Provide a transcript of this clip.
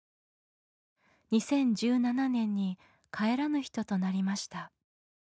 ２０１７年に帰らぬ人となりました。